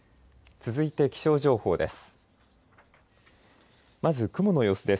続いて気象情報です。